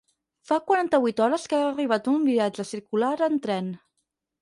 Fa quaranta-vuit hores que ha arribat d'un viatge circular en tren.